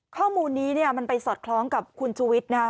ข้อมูลนี้มันไปสอดคล้องกับคุณชุวิตนะ